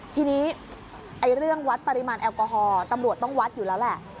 ทีนี้เรื่องวัดปริมาณแอลกอฮอล์ตำรวจต้องวัดอยู่แล้วแหละ